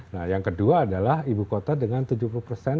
nah yang kedua adalah ibu kota dengan tujuan